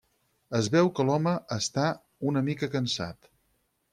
Es veu que l’home està una mica cansat.